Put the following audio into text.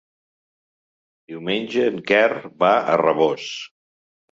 Diumenge en Quer va a Rabós.